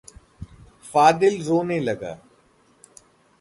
फ़ादिल रोने लगा।